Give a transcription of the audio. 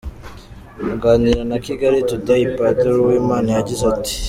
Aganira na Kigali Today, Padiri Uwimana yagize ati:.